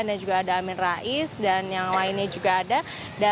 dan juga ada amin rais dan yang lainnya juga ada